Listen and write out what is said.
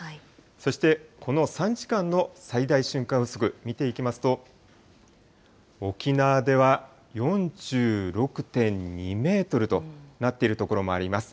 そして、この３時間の最大瞬間風速見ていきますと、沖縄では４６．２メートルとなっている所があります。